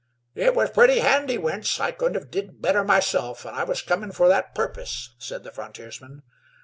"It was purty handy, Wentz. I couldn't hev' did better myself, and I was comin' for that purpose," said the frontiersman.